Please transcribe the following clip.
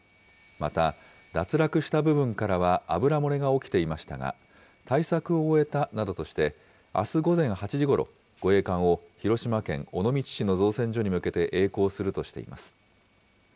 また、脱落した部分からは油漏れが起きていましたが、対策を終えたなどとして、あす午前８時ごろ、護衛艦を広島県尾道市の造船所に向けて、えい航するとしています。